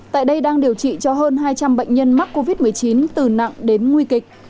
tại đây đang điều trị cho hơn hai trăm linh bệnh nhân mắc covid một mươi chín từ nặng đến nguy kịch